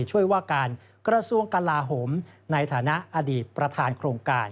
ช่วยว่าการกระทรวงกลาโหมในฐานะอดีตประธานโครงการ